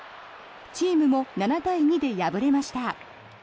チームも７対２で敗れました。